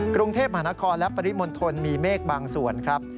กรุงเทพมหานครและปริมณฑลมีเมฆบางส่วนครับ